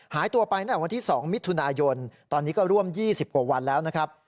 หายตัวไปในวันที่สองมิถุนายนตอนนี้ก็ร่วมยี่สิบกว่าวันแล้วนะครับ